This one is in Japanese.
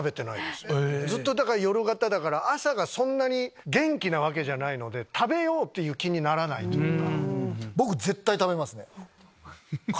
夜型だから朝がそんな元気なわけじゃないので食べよう！という気にならないというか。